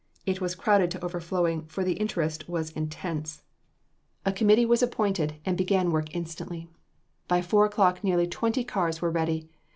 It was crowded to overflowing, for the interest was intense. A committee was appointed, and work began instantly. By four o'clock nearly twenty cars were ready.